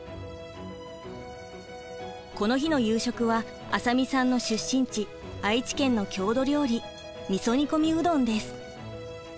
この日の夕食は浅見さんの出身地愛知県の郷土料理みそ煮込みうどんです。